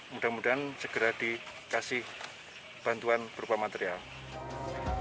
mudah mudahan segera dikasih bantuan berupa material